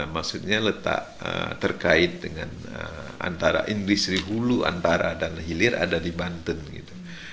maksudnya letak terkait dengan antara industri hulu antara dan hilir ada di banten gitu